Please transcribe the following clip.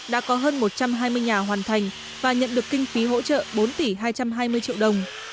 đã có hơn một trăm hai mươi nhà hoàn thành và nhận được kinh phí hỗ trợ bốn tỷ hai trăm hai mươi triệu đồng